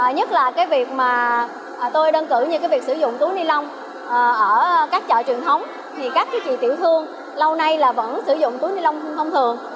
nhất là cái việc mà tôi đơn cử như cái việc sử dụng túi ni lông ở các chợ truyền thống thì các chị tiểu thương lâu nay là vẫn sử dụng túi ni lông thông thường